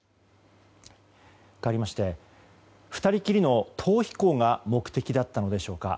かわりまして２人きりの逃避行が目的だったのでしょうか。